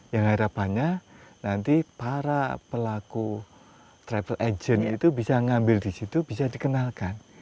yang harapannya nanti para pelaku travel agent itu bisa ngambil di situ bisa dikenalkan